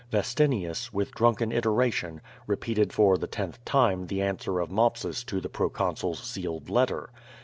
Vestinius, with drunken iteration, repeated for the tenth time the answer of Mopsus to the pro consul's sealed letter.